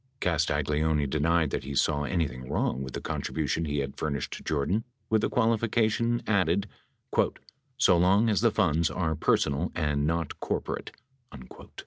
Castagleoni denied that he saw anything wrong with the contribution he had furnished to Jordan with the qualifica tion added — "so long as the funds were personal and not corporate."